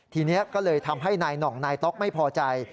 ทีนี้ก็เลยทำให้นายหน่องนายต๊อกไม่พอใจ